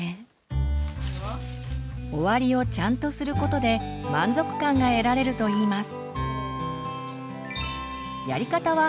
終わりをちゃんとすることで満足感が得られるといいます。